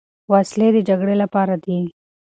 وسلې د جګړې لپاره دي.